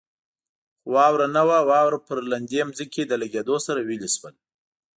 خو واوره نه وه، واوره پر لوندې ځمکې له لګېدو سره ویلې شول.